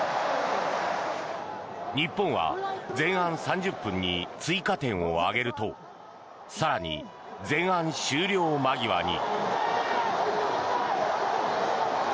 日本は前半３０分に追加点を挙げると更に、前半終了間際に。